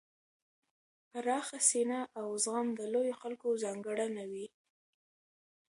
پراخه سینه او زغم د لویو خلکو ځانګړنه وي.